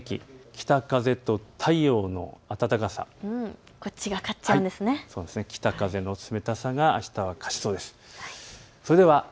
北風と太陽の暖かさ、北風の冷たさがあしたは勝ちそうです。